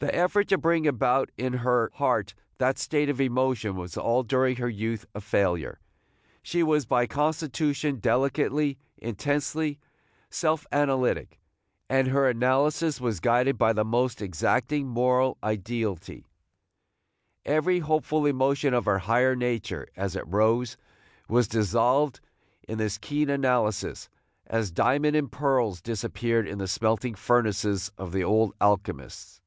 The effort to bring about in her heart that state of emotion was during all her youth a failure. She was by constitution delicately, intensely self analytic, and her analysis was guided by the most exacting moral ideality. Every hopeful emotion of her higher nature, as it rose, was dissolved in this keen analysis, as diamond and pearls disappeared in the smelting furnaces of the old alchemists.